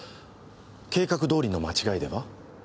計画どおりの間違いでは？